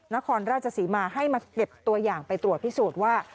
นครราชศรีมาให้มาเก็บตัวอย่างไปตรวจพิสูจน์ว่า